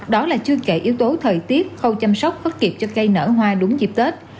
đó là chưa kể yếu tố thời tiết khâu chăm sóc khắc kịp cho cây nở hoa đúng dịp tết